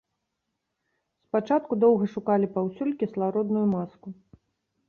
Спачатку доўга шукалі паўсюль кіслародную маску.